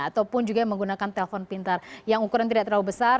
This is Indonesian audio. ataupun juga yang menggunakan telpon pintar yang ukuran tidak terlalu besar